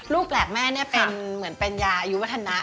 ลูกแปลกแม่เป็นยาอายุวัฒนะ